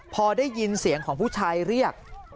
พอได้ยินเสียงของผู้ชายเรียก